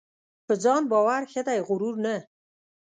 په ځان باور ښه دی ؛غرور نه .